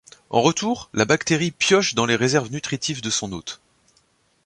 En retour, la bactérie pioche dans les réserves nutritives de son hôte.